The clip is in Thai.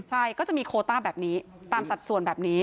ใช่ก็จะมีโคต้าแบบนี้ตามสัดส่วนแบบนี้